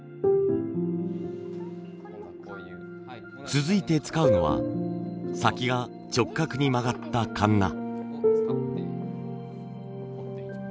続いて使うのは先が直角に曲がったカンナ。